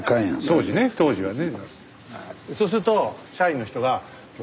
当時ね当時はね。